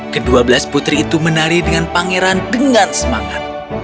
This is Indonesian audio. kedua belas putri itu menari dengan pangeran dengan semangat